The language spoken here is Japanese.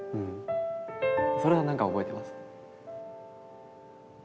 それはなんか覚えてます。